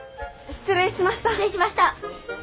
失礼しました。